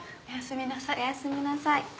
おやすみなさい。